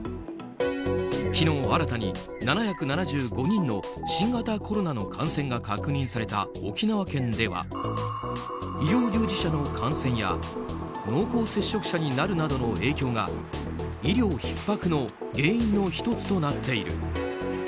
昨日、新たに７７５人の新型コロナの感染が確認された沖縄県では医療従事者の感染や濃厚接触者になるなどの影響が医療ひっ迫の原因の１つとなっている。